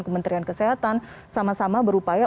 kementerian kesehatan sama sama berupaya